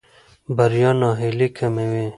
بریا ناهیلي کموي.